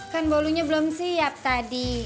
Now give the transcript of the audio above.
kan bolunya belum siap tadi